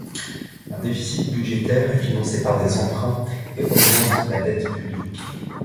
Un déficit budgétaire est financé par des emprunts et augmente la dette publique.